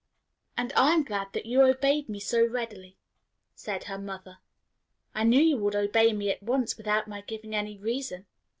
"And I am glad that you obeyed me so readily," said her mother. "I knew you would obey me at once, without my giving any reason.